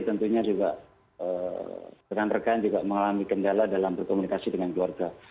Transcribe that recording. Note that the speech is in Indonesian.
tentunya juga berantakan juga mengalami kendala dalam bertomunikasi dengan keluarga